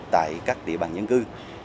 tại các địa bàn nhân cư